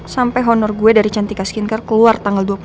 sampai honor gue dari cantika skincare keluar tanggal dua puluh